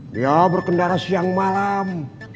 dia berkendara siang malam